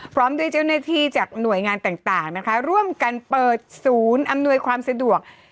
พร้อมด้วยเจ้าหน้าที่จากหน่วยงานต่างนะคะร่วมกันเปิดศูนย์อำนวยความสะดวก